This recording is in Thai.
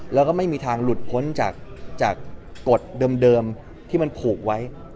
แล้วก็ไม่มีทางหลุดพ้นจากกฎเดิมที่มันผูกไว้